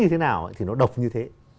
thế nào thì nó độc như thế